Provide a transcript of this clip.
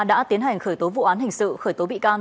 đã tiến hành khởi tố vụ án hình sự khởi tố bị can